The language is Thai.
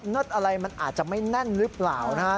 อะไรมันอาจจะไม่แน่นหรือเปล่านะฮะ